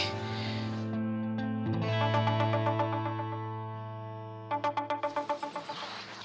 ternyata gue telfon lagi